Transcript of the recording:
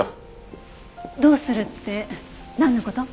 どうするってなんの事？